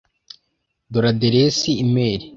dore aderesi imeri